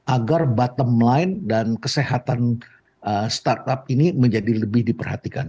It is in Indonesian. agar bottom line dan kesehatan startup ini menjadi lebih diperhatikan